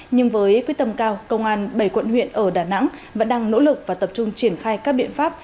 nhưng với quyết tâm cao công an bảy quận huyện ở đà nẵng vẫn đang nỗ lực và tập trung triển khai các biện pháp